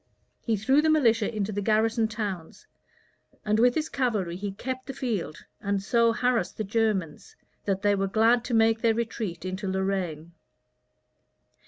He threw the militia into the garrison towns; and with his cavalry he kept the field, and so harassed the Germans, that they were glad to make their retreat into Lorraine.